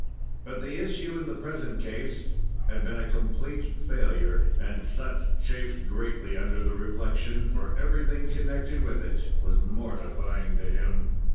But the issue in the present case had been a complete failure, and Sut chafed greatly under the reflection, for everything connected with it was mortifying to him.